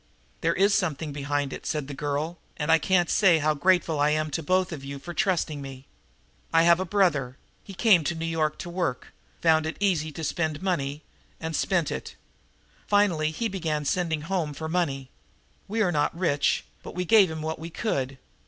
"There is something behind it," said the girl, "and I can't say how grateful I am to you both for still trusting me. I have a brother. He came to New York to work, found it was easy to spend money and spent it. Finally he began sending home for money. We are not rich, but we gave him what we could.